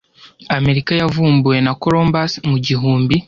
Amerika yavumbuwe na Columbus mu gibumbi.